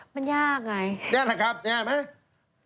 มันยากไงแน่นอนครับแน่นอนไหม